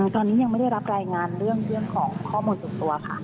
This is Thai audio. ตอนนี้ยังไม่ได้รับรายงานเรื่องของข้อมูลส่วนตัวค่ะ